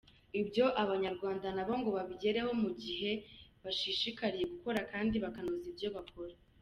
Ibyo Abanyarwanda nabo ngo babigeraho mu gihe bashishikariye gukora kandi bakanoza ibyo bakora.